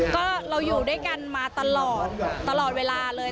ก็เราอยู่ด้วยกันมาตลอดตลอดเวลาเลย